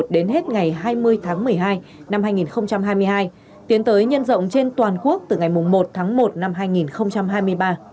đến hết ngày hai mươi tháng một mươi hai năm hai nghìn hai mươi hai tiến tới nhân rộng trên toàn quốc từ ngày một tháng một năm hai nghìn hai mươi ba